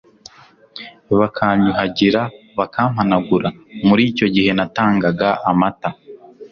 bakanyuhagira, bakampanagura. muri icyo gihe natangaga amata